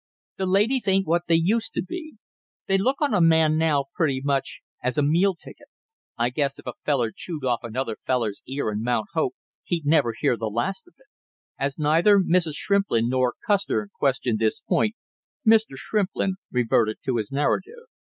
The ladies ain't what they used to be. They look on a man now pretty much as a meal ticket. I guess if a feller chewed off another feller's ear in Mount Hope he'd never hear the last of it!" As neither Mrs. Shrimplin nor Custer questioned this point, Mr. Shrimplin reverted to his narrative.